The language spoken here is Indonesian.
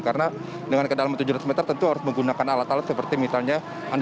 karena dengan kedalaman tujuh ratus meter tentu harus menggunakan alat alat seperti misalnya